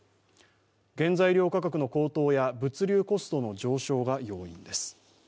原材料価格の高騰や物流コストの上昇が要因です。